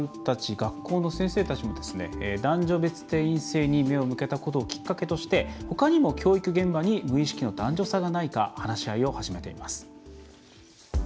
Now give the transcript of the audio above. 学校の先生たちも男女別定員制に目を向けたことをきっかけとしてほかにも教育現場に無意識の男女差がないか話し合いを始めています。